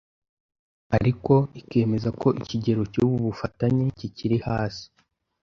ariko ikemeza ko ikigero cy’ubu bufatanye kikiri hasi